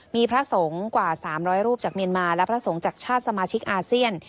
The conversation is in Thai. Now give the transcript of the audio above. มีพระสงฆ์กว่า๓๐๐รูปจากเมียนมาและพระสงฆ์จากชาติสมาชิกอาเซียน